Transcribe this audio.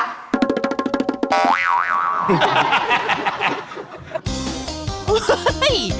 เฮ้ย